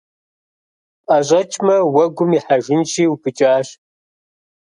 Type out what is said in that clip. Пӏэщӏэкӏмэ, уэгум ихьэжынщи, упыкӏащ.